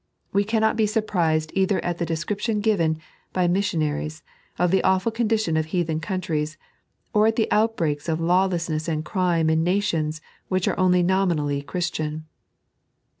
We cannot be surprised either at the description given, by missionaries, of th ' awful condition of heathen countries, or at the outbreaks of lawlessness and crime in nations which are only nominally Christian.